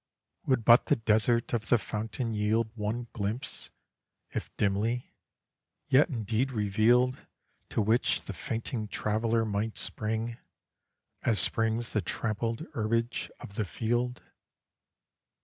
Would but the Desert of the Fountain yield One glimpse if dimly, yet indeed reveal'd, To which the fainting Traveller might spring, As springs the trampled herbage of the field!